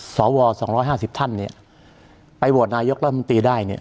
สว๒๕๐ท่านเนี่ยไปโหวตนายกรัฐมนตรีได้เนี่ย